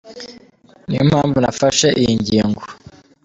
Ni yo mpamvu nafashe iyi ngingo".